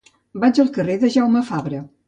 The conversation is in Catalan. Vaig al carrer de Jaume Fabra.